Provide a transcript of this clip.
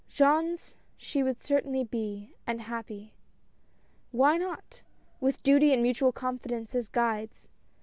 Jean's she should certainly be — and happy. Why not ?— with duty and mutual confidence as guides.